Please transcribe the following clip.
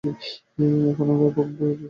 আমরা এখনো খুব দ্রুত নামছি।